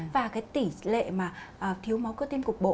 và cái tỷ lệ mà thiếu máu cơ tim cục bộ